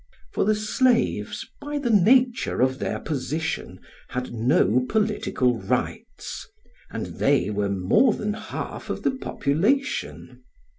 For the slaves, by the nature of their position, had no political rights; and they were more than half of the population.